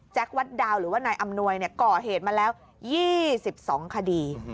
วัดดาวหรือว่านายอำนวยก่อเหตุมาแล้ว๒๒คดี